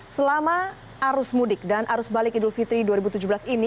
selama arus mudik dan arus balik idul fitri dua ribu tujuh belas ini